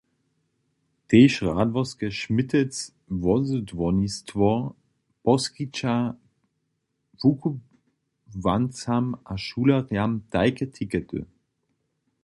Tež Radworske Šmitec wozydłownistwo poskića wukubłancam a šulerjam tajke tikety.